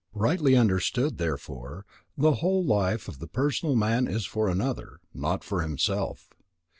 Rightly understood, therefore, the whole life of the personal man is for another, not for himself.